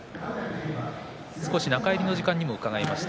少し中入りの時間にも伺いました